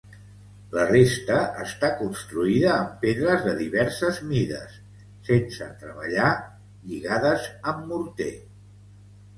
La resta està construïda amb pedres de diverses mides, sense treballar, lligades amb morter.